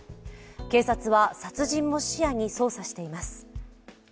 警察は殺人も視野に捜査しています。